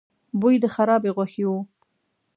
بوی د خرابې غوښې و.